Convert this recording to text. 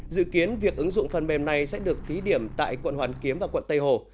dự kiến việc ứng dụng phần mềm này sẽ được thí điểm tại quận hoàn kiếm và quận tây hồ